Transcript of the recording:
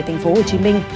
thành phố hồ chí minh